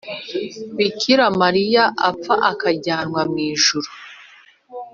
bikira mariya apfa akajyanwa mu ijuru